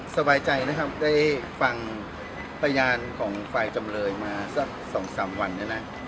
สบายใจนะครับได้ฟังพยานของฝ่ายจำเลยมาสัก๒๓วันเนี่ยนะ